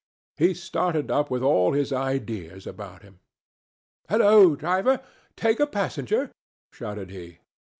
He started up with all his ideas about him. "Halloo, driver! Take a passenger?" shouted he.